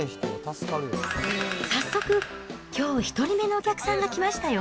早速、きょう１人目のお客さんが来ましたよ。